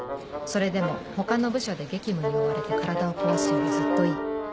それでも他の部署で激務に追われて体をこわすよりずっといい